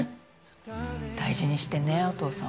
大事にしてねお父さんお母さん